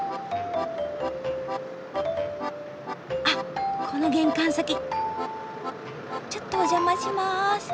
あっこの玄関先ちょっとお邪魔します。